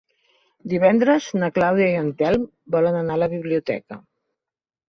Divendres na Clàudia i en Telm volen anar a la biblioteca.